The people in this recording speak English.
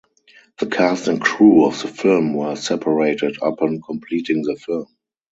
The cast and crew of the film were separated upon completing the film.